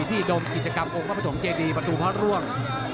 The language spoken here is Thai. ดมกิจกรรมองค์พระปฐมเจดีประตูพระร่วง